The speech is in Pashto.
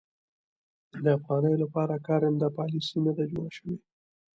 د افغانیو لپاره کارنده پالیسي نه ده جوړه شوې.